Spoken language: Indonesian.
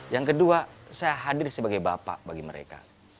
yang kedua saya hadir sebagai bapak bagi mereka